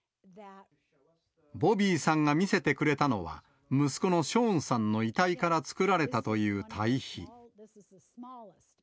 ボビーさんが見せてくれたのは、息子のショーンさんの遺体から作られたという堆肥。